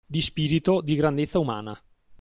Di spirito, di grandezza umana.